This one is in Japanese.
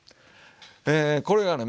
えこれがね